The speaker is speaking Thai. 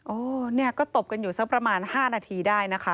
เนี่ยก็ตบกันอยู่สักประมาณ๕นาทีได้นะคะ